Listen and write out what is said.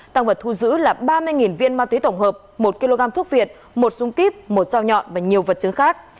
tăng vật thu giữ là ba mươi viên ma túy tổng hợp một kg thuốc việt một dung kíp một dao nhọn và nhiều vật chứng khác